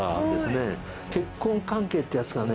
結婚関係ってやつがね